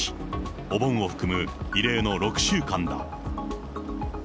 お盆を含む異例の６週間だ。